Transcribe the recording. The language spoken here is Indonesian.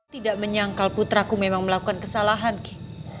tidak menyangkal putra ku memang melakukan kesalahan ki